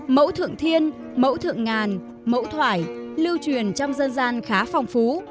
mẫu thượng thiên mẫu thượng ngàn mẫu thoải lưu truyền trong dân gian khá phong phú